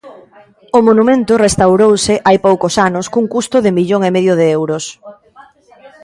O monumento restaurouse hai poucos anos cun custo de millón e medio de euros.